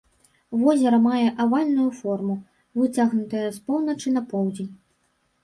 Возера мае авальную форму, выцягнутае з поўначы на поўдзень.